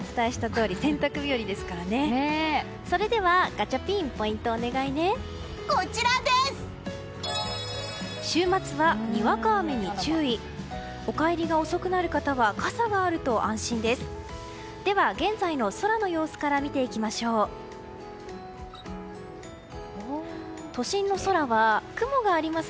お帰りが遅くなる方は傘があると安心です。